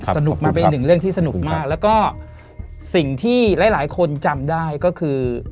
สนุกมันเป็นหนึ่งเรื่องที่สนุกมากแล้วก็สิ่งที่หลายคนจำได้ก็คือ